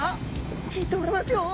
引いておりますよ！